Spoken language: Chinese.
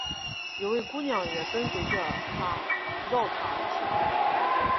有位姑娘也跟随着他饶塔祈福。